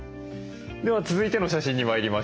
では続いての写真に参りましょう。